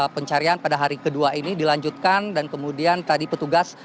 pencarian pada hari kedua ini dilanjutkan dan kemudian tadi petugas